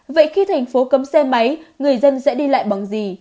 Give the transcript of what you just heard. vậy khi thành phố cấm xe máy người dân sẽ đi lại bằng gì